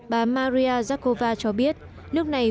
bà maria zakhova cho biết nước này